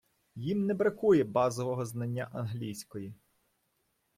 їм не бракує базового знання англійської